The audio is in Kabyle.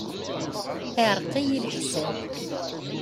Iɛreq-iyi leḥsab.